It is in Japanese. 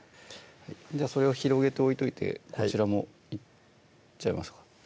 それを広げて置いといてこちらもいっちゃいますか？